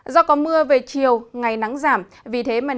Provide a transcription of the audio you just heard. do có mưa về chiều ngày nắng giảm